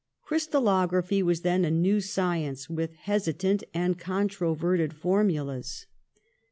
Crystalography was then a new science, with hesitant and controverted formulas.